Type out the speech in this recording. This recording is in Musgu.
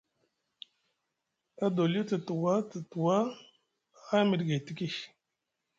Adoliyo te tuwa te tuwa ha miɗi gay tiki.